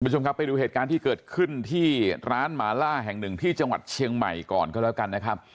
คุณผู้ชมครับไปดูเหตุการณ์ที่เกิดขึ้นที่ร้านหมาล่าแห่งหนึ่งที่จังหวัดเชียงใหม่ก่อนก็แล้วกันนะครับ